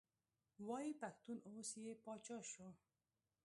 وایي پښتون اوس یې پاچا شو.